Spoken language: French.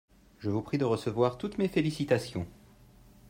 je vous prie de recevoir toutes mes félicitations.